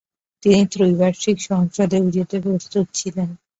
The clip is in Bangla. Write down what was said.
তিনি ত্রৈবার্ষিক সংসদেও যেতে প্রস্তুত ছিলেন।